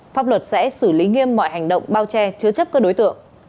pháp luật sẽ xử lý nghiêm mọi hành động bao che chứa chấp các đối tượng